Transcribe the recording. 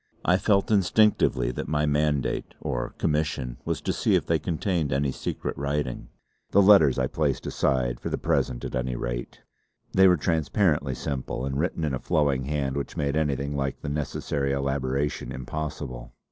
I felt instinctively that my mandate or commission was to see if they contained any secret writing. The letters I placed aside, for the present at any rate. They were transparently simple and written in a flowing hand which made anything like the necessary elaboration impossible.